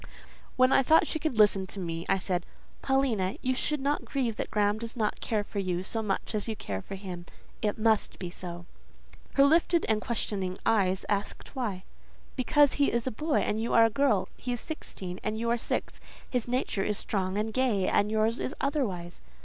When I thought she could listen to me, I said—"Paulina, you should not grieve that Graham does not care for you so much as you care for him. It must be so." Her lifted and questioning eyes asked why. "Because he is a boy and you are a girl; he is sixteen and you are only six; his nature is strong and gay, and yours is otherwise."